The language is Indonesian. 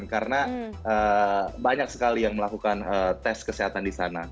karena banyak sekali yang melakukan tes kesehatan di sana